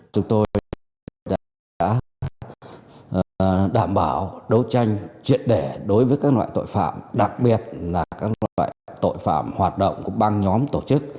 chúng tôi đã đảm bảo đấu tranh triệt để đối với các loại tội phạm đặc biệt là các loại tội phạm hoạt động của băng nhóm tổ chức